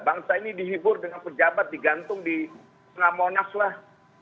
bangsa ini dihibur dengan pejabat digantung di tengah monas lah